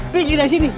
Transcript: pergi dari sini